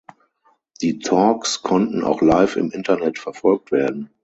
Die Talks konnten auch live im Internet verfolgt werden.